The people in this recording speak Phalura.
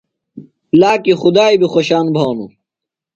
لاکی خدائی بیۡ خوۡشان بھانوۡ۔